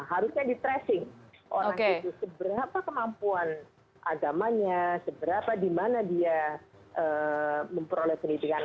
harusnya di tracing orang itu seberapa kemampuan agamanya seberapa dimana dia memperoleh penelitian